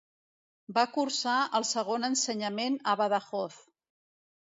Va cursar el segon ensenyament a Badajoz.